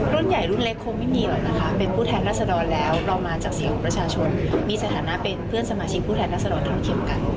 รุ่นใหญ่รุ่นเล็กคงไม่มีหรอกนะคะเป็นผู้แทนรัศดรแล้วเรามาจากเสียงของประชาชนมีสถานะเป็นเพื่อนสมาชิกผู้แทนรัศดรเท่าเทียมกัน